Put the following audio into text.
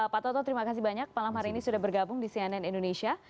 pak toto terima kasih banyak malam hari ini sudah bergabung di cnn indonesia